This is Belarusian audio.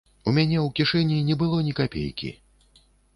У мяне ў кішэні не было ні капейкі!